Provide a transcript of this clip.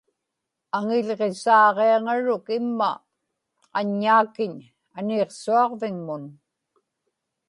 aŋiḷġisaaġiaŋaruk imma aññaakiñ aniiqsuaġviŋmun